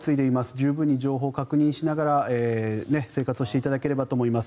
十分に情報を確認しながら生活をしていただければと思います。